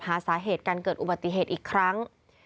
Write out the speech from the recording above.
หาสาเหตุการเกิดอุบัติเหตุอีกครั้ง